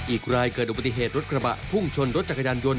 อีกรายเกิดอุบัติเหตุรถกระบะพุ่งชนรถจักรยานยนต